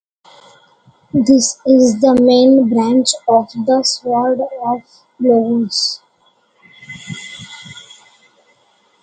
The is the main branch of the Sword of Logos.